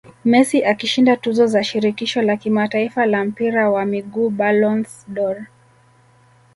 Messi akishinda tuzo za shirikisho la kimataifa la mpira wa miguu Ballons dOr